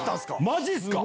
マジっすか？